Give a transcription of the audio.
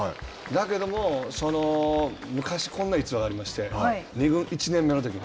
だけども、昔こんな逸話がありまして、１年目のとき。